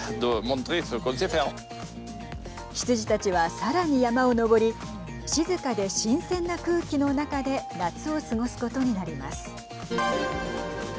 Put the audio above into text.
羊たちは、さらに山を登り静かで新鮮な空気の中で夏を過ごすことになります。